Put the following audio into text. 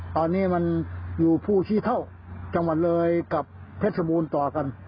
ตอนนี้มันอยู่ภูขี้เท่าจังหวัดเลยกับเพชรบูรณ์ต่อกัน